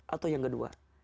atau yang kedua